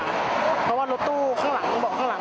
เพราะว่ารถตู้ข้างหลังบอกข้างหลัง